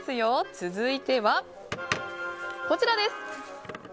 続いては、こちら。